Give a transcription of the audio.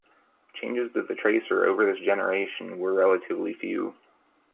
Changes to the Tracer over this generation were relatively few.